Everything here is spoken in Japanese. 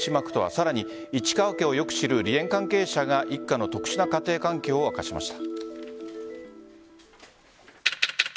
さらに市川家をよく知る梨園関係者が一家の特殊な家庭関係を明かしました。